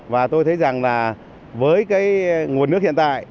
và tôi thấy rằng là với cái nguồn nước hiện tại